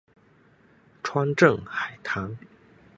川滇海棠